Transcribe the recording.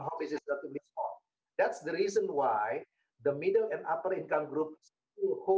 tetapi hasilnya adalah penyelamat ekonomi oke